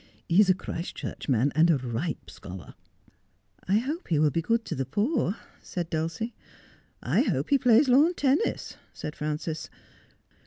He is a Christchurch man and a ripe scholar.' ' I hope he will be good to the poor,' said Dulcie. ' I hope he plays lawn tennis,' said Frances.